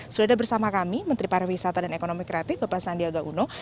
sudah ada bersama kami menteri pariwisata dan ekonomi kreatif bapak sandiaga uno